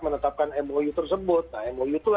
menetapkan mou tersebut nah mou itu